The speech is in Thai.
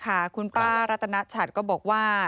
ค่ะคุณป้ารัตนชัดก็บอกว่า